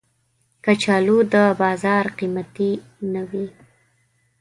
کچالو د بازار قېمتي نه وي